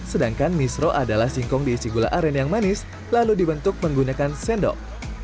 sedangkan misro adalah singkong diisi gula aren yang manis lalu dibentuk menggunakan sendok